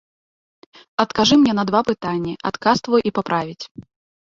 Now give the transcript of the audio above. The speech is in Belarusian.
Адкажы мне на два пытанні, адказ твой і паправіць.